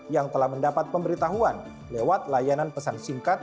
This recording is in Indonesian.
yang telah mendapat pemberitahuan lewat layanan pesan singkat